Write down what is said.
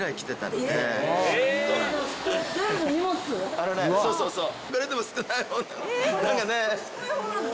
あのねそうそうそう。